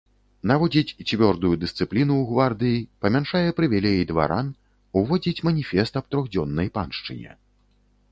Наводзіць цвёрдую дысцыпліну ў гвардыі, памяншае прывілеі дваран, уводзіць маніфест аб трохдзённай паншчыне.